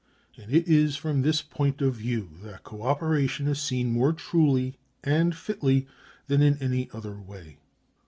And it is from this point of view that co operation is seen more truly and fitly than in any other way.